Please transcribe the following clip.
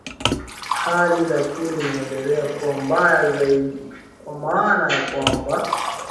hali lakini inaendelea kuwa mbaya zaidi kwa maana ya kwamba